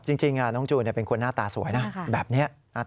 จริงน้องจูนเป็นคนหน้าตาสวยนะแบบนี้